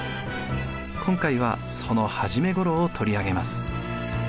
今回はその初めごろを取り上げます。